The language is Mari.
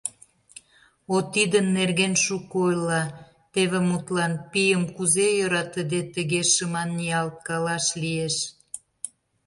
— О, тидын нерген шуко ойла... теве, мутлан... пийым кузе, йӧратыде, тыге шыман ниялткалаш лиеш?